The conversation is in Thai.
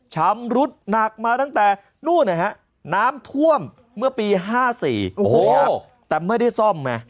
ชำรุดหนักมาตั้งแต่นู่นนะฮะน้ำท่วมเมื่อปี๕๔โอ้โหแต่ไม่ได้ซ่อมไง